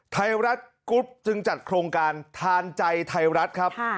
ไทยรัฐกรุ๊ปจึงจัดโครงการทานใจไทยรัฐครับ